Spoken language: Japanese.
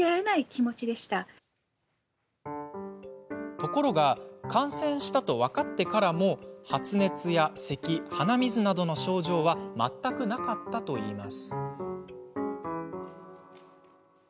ところが感染したと分かってからも発熱やせき、鼻水などの症状は全くなかったと言います。